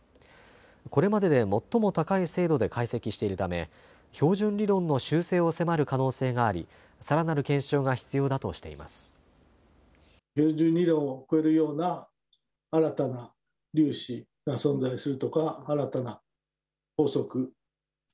これまでで最も高い精度で解析しているため標準理論の修正を迫る可能性があり、さらなる検証が必要だとしています。